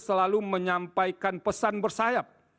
selalu menyampaikan pesan bersayap